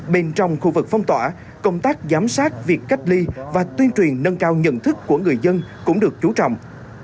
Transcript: bên trong khu vực phong tỏa công tác giám sát việc cách ly và tuyên truyền nâng cao nhận thức của người dân cũng được chú trọng